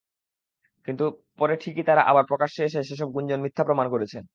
কিন্তু পরে ঠিকই তাঁরা আবার প্রকাশ্যে এসে সেসব গুঞ্জন মিথ্যা প্রমাণ করেছেন।